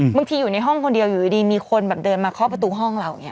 อยู่ในห้องคนเดียวอยู่ดีมีคนแบบเดินมาเคาะประตูห้องเราอย่างนี้